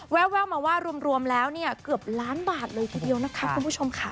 แววมาว่ารวมแล้วเนี่ยเกือบล้านบาทเลยทีเดียวนะคะคุณผู้ชมค่ะ